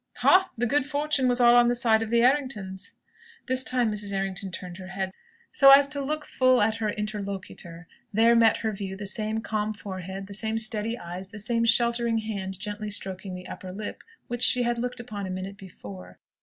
"Ha! The good fortune was all on the side of the Erringtons?" This time Mrs. Errington turned her head, so as to look full at her interlocutor. There met her view the same calm forehead, the same steady eyes, the same sheltering hand gently stroking the upper lip, which she had looked upon a minute before.